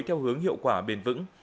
theo hướng hiệu quả bền vững